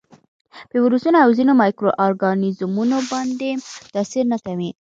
په ویروسونو او ځینو مایکرو ارګانیزمونو باندې تاثیر نه کوي.